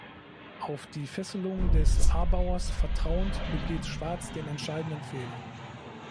Auf die Fesselung des a-Bauers vertrauend, begeht Schwarz den entscheidenden Fehler.